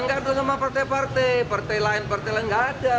ya tidak akan pernah partai partai partai lain partai lain tidak ada